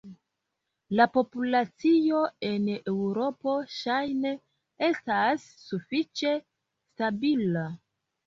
La populacio en Eŭropo ŝajne estas sufiĉe stabila.